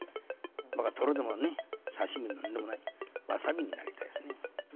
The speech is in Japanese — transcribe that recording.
僕はトロでも刺身でも、なんでもない、わさびになりたいですね。